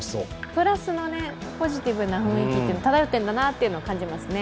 プラスのポジティブな雰囲気がただよってるんだなと思います。